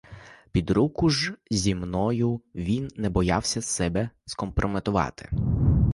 Під руку ж зі мною він не боявся себе скомпрометувати.